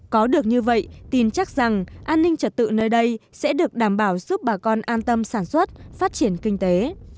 có được như vậy tin chắc rằng an ninh trật tự nơi đây sẽ được đảm bảo giúp bà con an tâm sản xuất phát triển kinh tế